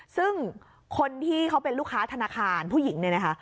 ซึ่งคนที่เขาเป็นลูกค้าธนาคารผู้หญิงเนี่ยนะคะ